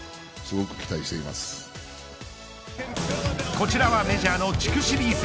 こちらはメジャーの地区シリーズ。